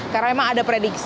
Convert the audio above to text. karena memang ada prediksi